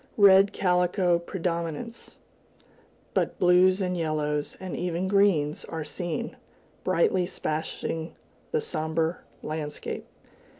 Red calico predominates, but blues and yellows, and even greens, are seen, brightly splashing the somber landscape.